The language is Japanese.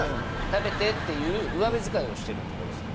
「食べて」っていう上目遣いをしてるところですね。